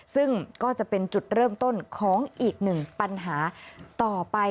ซึ่งก็จะเป็นจุดเริ่มต้นของอีกหนึ่งปัญหาต่อไป